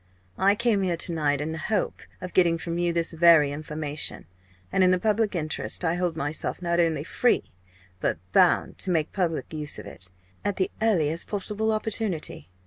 I came here to night in the hope of getting from you this very information, and in the public interest I hold myself not only free but bound to make public use of it, at the earliest possible opportunity!"